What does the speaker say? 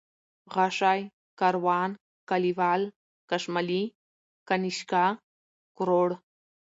غشى ، کاروان ، کليوال ، کشمالی ، كنيشكا ، کروړ